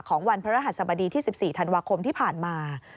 วันพระรหัสบดีที่๑๔ธันวาคมที่ผ่านมา